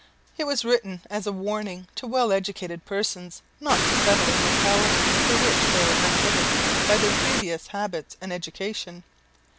It was written as a warning to well educated persons not to settle in localities for which they were unfitted by their previous habits and education.